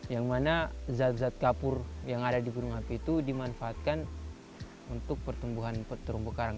yang mana zat zat kapur yang ada di gunung api itu dimanfaatkan untuk pertumbuhan terumbu karang